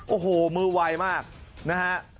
โอ้โหมือไวมากนะฮะ